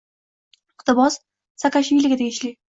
Iqtibos Saakashviliga tegishli